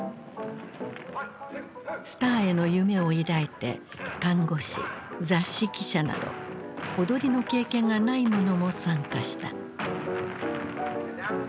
スターへの夢を抱いて看護師雑誌記者など踊りの経験がない者も参加した。